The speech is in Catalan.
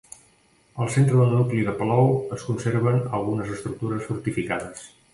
Al centre del nucli de Palou es conserven algunes estructures fortificades.